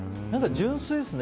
純粋ですね。